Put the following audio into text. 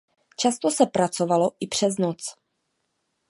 Často se pracovalo i přes noc.